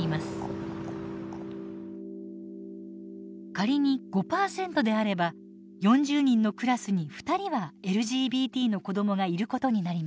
仮に５％であれば４０人のクラスに２人はＬＧＢＴの子どもがいることになります。